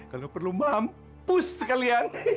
kalo perlu mampus sekalian